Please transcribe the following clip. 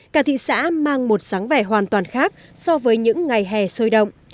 cả thị xã mang một sáng vẻ hoàn toàn khác so với những ngày hè sôi động